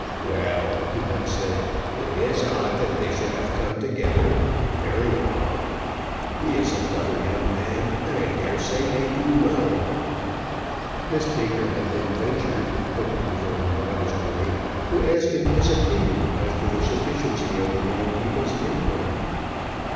"Well," he had said, "it is odd that they should have come together; very odd. He is a clever young man, and I dare say may do well." Miss Baker had then ventured, but in a very modest way, to ask him his opinion as to the sufficiency of the young people's income.